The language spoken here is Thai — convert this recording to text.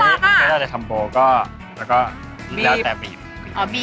ไม่ได้อะไรทัมโบ้ก็แล้วแต่บีบ